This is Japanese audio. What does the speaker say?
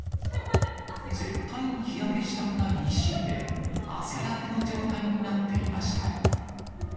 絶対に日焼けしたくない一心で、汗だくの状態になっていました。